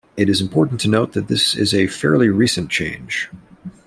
It is important to note that this is a fairly recent change.